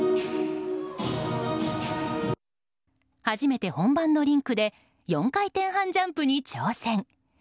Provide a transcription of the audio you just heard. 初めて本番のリンクで４回転半ジャンプに挑戦。